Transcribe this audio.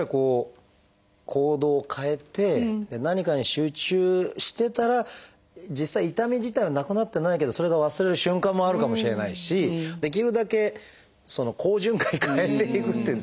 行動を変えて何かに集中してたら実際痛み自体はなくなってないけどそれが忘れる瞬間もあるかもしれないしできるだけ好循環に変えていくっていうんですかね